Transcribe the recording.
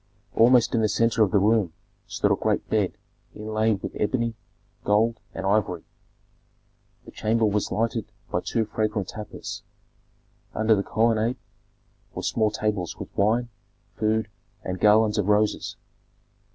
Almost in the centre of the room stood a great bed inlaid with ebony, gold, and ivory. The chamber was lighted by two fragrant tapers; under the colonnade were small tables with wine, food, and garlands of roses.